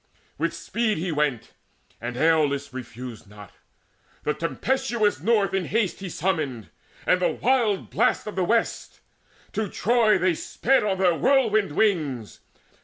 With speed he went, and Aeolus Refused not: the tempestuous North in haste He summoned, and the wild blast of the West; And to Troy sped they on their whirlwind wings.